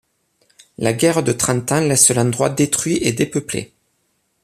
La Guerre de Trente Ans laisse l'endroit détruit et dépeuplé.